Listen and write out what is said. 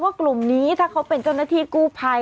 ว่ากลุ่มนี้ถ้าเป็นจริงว่าเป็นเจรอทีกูภัย